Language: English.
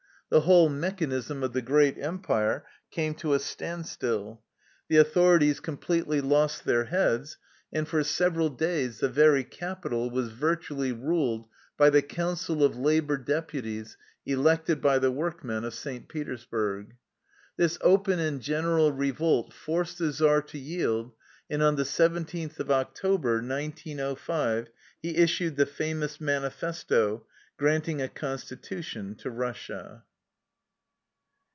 The whole mechanism of the great empire came to a standstill. The authori ties completely lost their heads, and for several days the very capital was virtually ruled by the " council of labor deputies " elected by the work men of St. Petersburg. This open and general revolt forced the czar to yield, and on the seventeenth of October, 1905, he issued the famous manifesto granting a con stitution to Russia.